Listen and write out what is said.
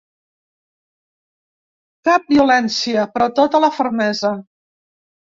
Cap violència, però tota la fermesa.